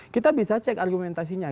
kita bisa cek argumentasinya